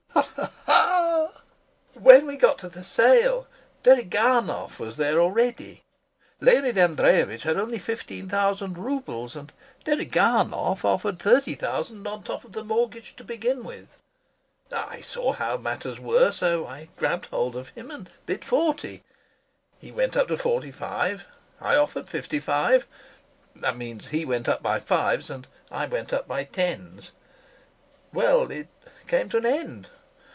When we got to the sale, Deriganov was there already. Leonid Andreyevitch had only fifteen thousand roubles, and Deriganov offered thirty thousand on top of the mortgage to begin with. I saw how matters were, so I grabbed hold of him and bid forty. He went up to forty five, I offered fifty five. That means he went up by fives and I went up by tens.... Well, it came to an end.